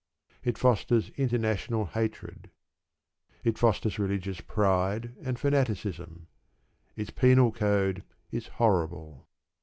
It fosters international hatred. It fosters religious pride and fanaticism. Its penal code is horrible.